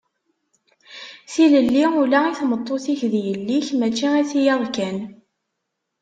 Tilelli ula i tmeṭṭut-ik d yelli-k, mačči i tiyaḍ kan.